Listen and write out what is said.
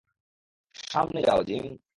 সামনে যাও, জিম।